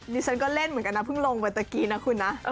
ฉันก็เล่นเหมือนกันนะเพิ่งลงไปเมื่อกี้นะคุณนะ